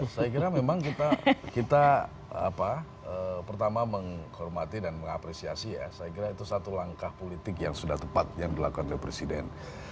saya kira memang kita pertama menghormati dan mengapresiasi ya saya kira itu satu langkah politik yang sudah tepat yang dilakukan oleh presiden